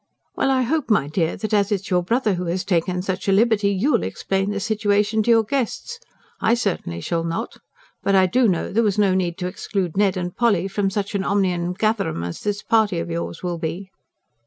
"Well, I hope, my dear, that as it's your brother who has taken such a liberty, YOU'LL explain the situation to your guests. I certainly shall not. But I do know there was no need to exclude Ned and Polly from such an omnium gatherum as this party of yours will be."